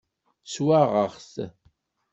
Swaɣeɣ-t.